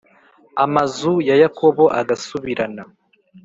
amazu ya Yakobo agasubirana.